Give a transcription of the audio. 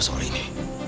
tahu soal ini